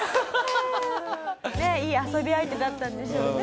いい遊び相手だったんでしょうね。